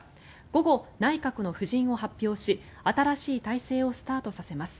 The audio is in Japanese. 午後、内閣の布陣を発表し新しい体制をスタートさせます。